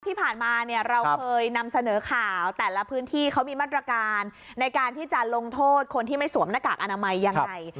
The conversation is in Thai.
ที่ผ่านมาเนี่ยเราเคยนำเสนอข่าวแต่ละพื้นที่เขามีมาตรการในการที่จะลงโทษคนที่ไม่สวมหน้ากากอนามัยยังไง